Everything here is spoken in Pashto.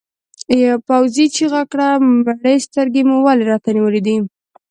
پوځي چیغه کړه مړې سترګې مو ولې راته نیولې دي؟